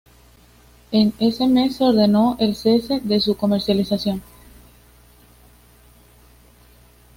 En ese mes se ordenó el cese de su comercialización.